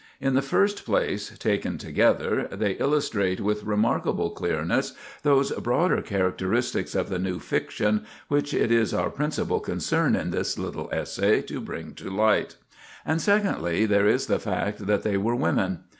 In the first place, taken together, they illustrate with remarkable clearness those broader characteristics of the new fiction which it is our principal concern in this little essay to bring to light; and, secondly, there is the fact that they were women.